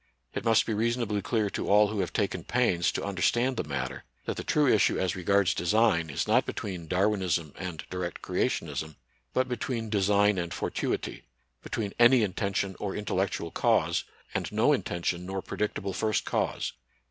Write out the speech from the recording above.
It must be reasonably clear to all who have taken pains to understand the matter that the true issue as regards design is not between Darwinism and direct Creationism, but between design and fortuity, between any intention or intellectual cause and no intention nor predicable first cause.